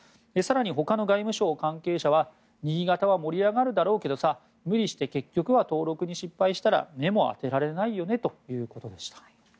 更に他の外務省関係者は新潟は盛り上がるだろうけどさ無理して結局は登録に失敗したら目も当てられないよねということでした。